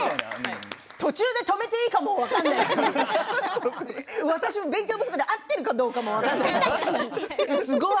途中で止めていいかも分からないし私も勉強不足で合っているかどうかも分からないし。